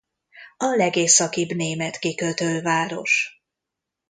A legészakibb német kikötőváros.